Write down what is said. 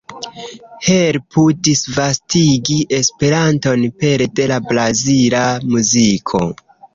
Helpu disvastigi Esperanton pere de la brazila muziko!